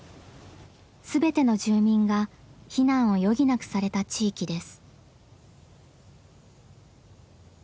全ての住民が避難を余儀なくされた地域です。